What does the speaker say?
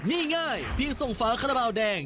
นี่ง่ายเพียงส่งฝาคาราบาลแดง